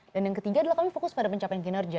dan yang ketiga adalah kami fokus pada pencapaian kinerja